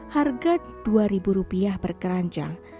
harga rp dua berkeranjang